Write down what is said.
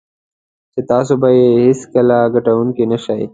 چې تاسو به یې هېڅکله ګټونکی نه شئ.